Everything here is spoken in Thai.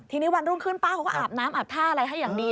ทีนี้วันรุ่งขึ้นป้าเขาก็อาบน้ำอาบท่าอะไรให้อย่างดี